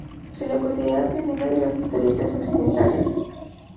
Se le considera pionero de las historietas occidentales.